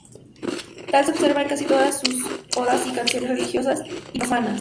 Tal se observa en casi todas sus odas y canciones religiosas y profanas.